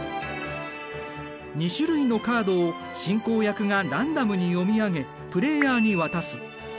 ２種類のカードを進行役がランダムに読み上げプレイヤーに渡す。